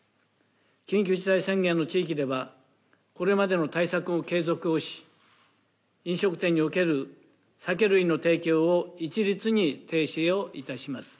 緊急事態宣言の地域では、これまでの対策を継続をし、飲食店における酒類の提供を一律に停止をいたします。